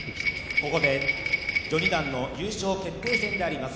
ここで序二段の優勝決定戦であります。